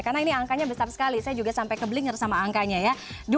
karena ini angkanya besar sekali saya juga sampai keblinger sama angkanya ya